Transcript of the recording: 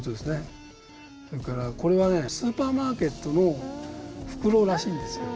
それからこれはスーパーマーケットの袋らしいんですよ。